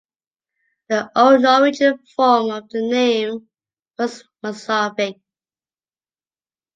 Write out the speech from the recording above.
The old Norwegian form of the name was Masarvík.